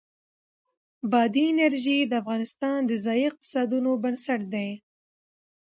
بادي انرژي د افغانستان د ځایي اقتصادونو بنسټ دی.